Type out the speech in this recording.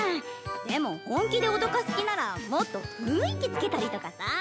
でも本気で脅かす気ならもっと雰囲気つけたりとかさあ。